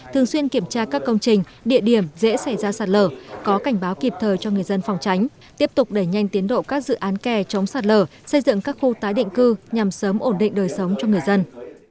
thường xuyên kiểm tra các công trình địa điểm dễ xảy ra sạt lở có cảnh báo kịp thời cho người dân phòng tránh tiếp tục đẩy nhanh tiến độ các dự án kè chống sạt lở xây dựng các khu tái định cư nhằm sớm ổn định đời sống cho người dân